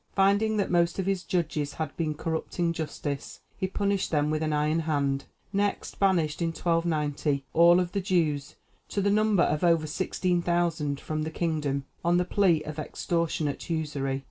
Finding that most of his judges had been corrupting justice, he punished them with an iron hand, next banished in 1290 all the Jews to the number of over sixteen thousand from the kingdom, on the plea of extortionate usury.